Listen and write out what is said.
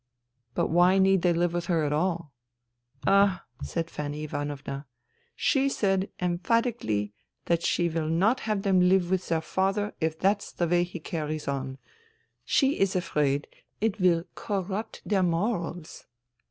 " But why need they live with her at all ?" "Ah," said Fanny Ivanovna. "She said em phatically that she will not have them live with their father if that's the way he carries on. She is afraid it will corrupt their morals."